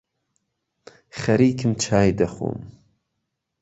خەریکم چای دەخۆم